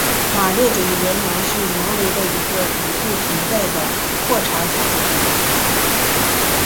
马列主义联盟是挪威的一个已不存在的霍查主义组织。